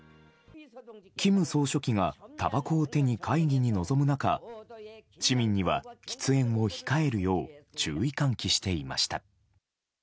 金総書記がたばこを手に会議に臨む中市民には喫煙を控えるよう注意喚起していました。